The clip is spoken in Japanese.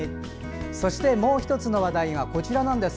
そして、もう１つの話題がこちらなんです。